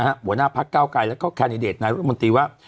หัวหน้าพักเก้าไกรแล้วก็แคนดิเดตนายรัฐมนตรีว่า